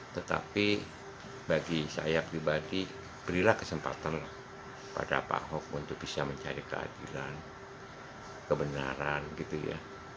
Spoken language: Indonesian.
tetapi bagi saya pribadi berilah kesempatan pada pak ahok untuk bisa mencari keadilan kebenaran gitu ya